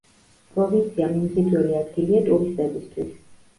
პროვინცია მიმზიდველი ადგილია ტურისტებისთვის.